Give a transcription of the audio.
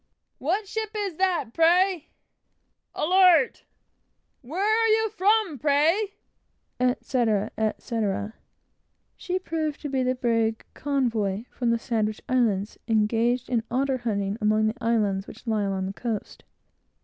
"What ship is that, pray?" "Alert." "Where are you from, pray?" etc., etc. She proved to be the brig Convoy, from the Sandwich Islands, engaged in otter hunting, among the islands which lie along the coast.